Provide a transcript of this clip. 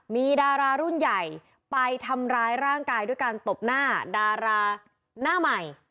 มีดารารุ่นใหญ่ไปทำร้ายร่างกายด้วยการตบหน้าดาราหน้าใหม่